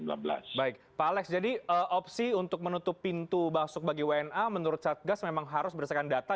baik pak alex jadi opsi untuk menutup pintu masuk bagi wna menurut satgas memang harus berdasarkan data